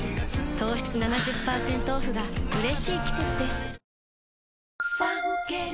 糖質７０％オフがうれしい季節です女性）